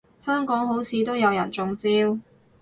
香港好似都有人中招